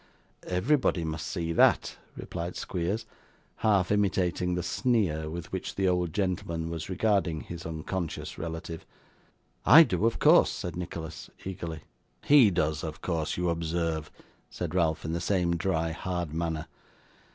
'Everybody must see that,' replied Squeers, half imitating the sneer with which the old gentleman was regarding his unconscious relative. 'I do, of course,' said Nicholas, eagerly. 'He does, of course, you observe,' said Ralph, in the same dry, hard manner.